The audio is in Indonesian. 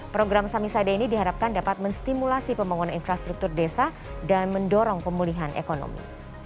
program samisade ini diharapkan dapat menstimulasi pembangunan infrastruktur desa dan mendorong pemulihan ekonomi